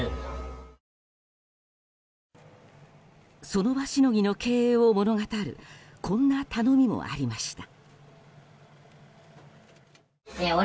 その場しのぎの経営を物語るこんな頼みもありました。